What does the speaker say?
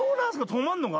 泊まるのが？